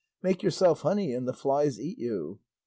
make yourself honey and the flies eat you."